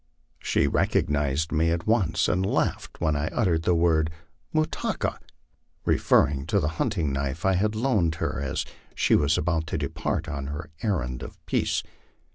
She recognized me at once, and laughed when I uttered the word ' Mutah ka,'' referring to the hunting knife I had loaned her as she was about to depart on her errand of peace.